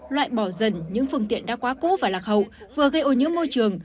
loại bỏ dần những phương tiện đã quá cũ và lạc hậu vừa gây ô nhiễm môi trường